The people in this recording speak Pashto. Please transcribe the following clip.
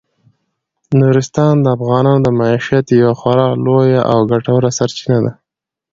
نورستان د افغانانو د معیشت یوه خورا لویه او ګټوره سرچینه ده.